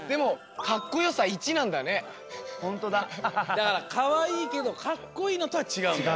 だからかわいいけどかっこいいのとはちがうんだね。